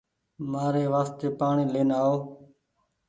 مآري واستي پآڻيٚ لين آئو